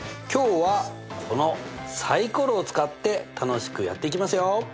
今日はこのサイコロを使って楽しくやっていきますよ！